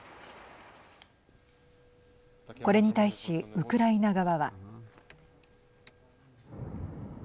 これに対し、ウクライナ側は。